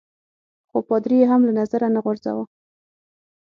خو پادري يي هم له نظره نه غورځاوه.